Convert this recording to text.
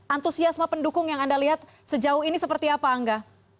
antusiasme pendukung yang anda lihat sejauh ini seperti apa angga